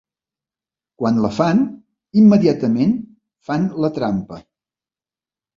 Quan la fan, immediatament fan la trampa.